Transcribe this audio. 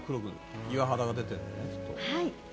岩肌が出てるんだよね。